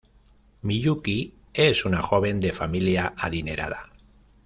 Miyuki es una joven de familia adinerada.